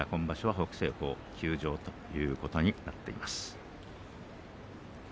北青鵬休場ということになっています。